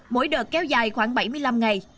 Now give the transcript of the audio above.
mỗi đợt kéo dài khoảng bảy mươi năm ngày